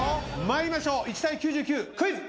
参りましょう１対９９クイズ。